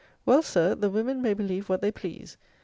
Well, Sir, the women may believe what they please.